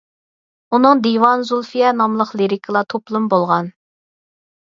ئۇنىڭ «دىۋان زۇلفىيە» ناملىق لىرىكىلار توپلىمى بولغان.